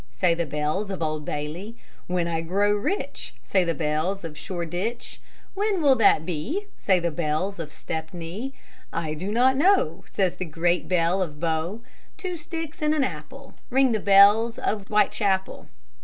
Say the bells of Old Bailey. "When I grow rich," Say the bells of Shoreditch. "When will that be?" Say the bells of Stepney. "I do not know," Says the great Bell of Bow. "Two sticks in an apple," Ring the bells of Whitechapel.